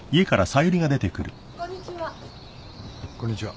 こんにちは。